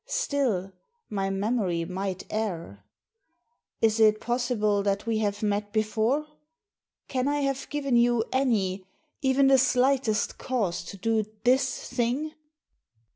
Still, my memory might err. " Is it possible that we have met before ? Can I have given you any, even the slightest, cause to do this thing?"